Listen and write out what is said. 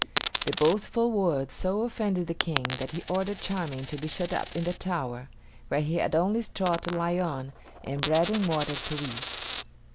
The boastful words so offended the King that he ordered Charming to be shut up in the tower, where he had only straw to lie on and bread and water to eat.